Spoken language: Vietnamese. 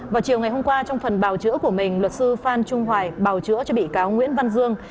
vào chiều ngày hôm qua trong phần bào chữa của mình luật sư phan trung hoài bảo chữa cho bị cáo nguyễn văn dương